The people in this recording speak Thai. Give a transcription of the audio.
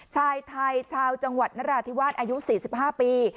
ชายไทยชาวจังหวัดนราธิวาสอายุ๔๕ปี